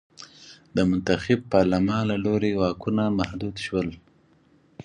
د منتخب پارلمان له لوري واکونه محدود شول.